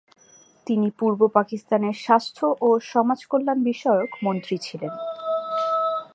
তিনি পূর্ব পাকিস্তানের স্বাস্থ্য ও সমাজকল্যাণ বিষয়ক মন্ত্রী ছিলেন।